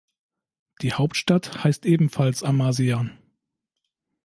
Die Hauptstadt heißt ebenfalls Amasya.